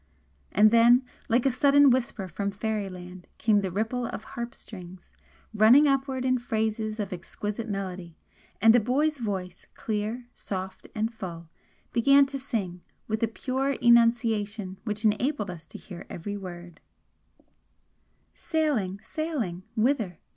And then like a sudden whisper from fairyland came the ripple of harp strings, running upward in phrases of exquisite melody, and a boy's voice, clear, soft and full, began to sing, with a pure enunciation which enabled us to hear every word: Sailing, sailing! Whither?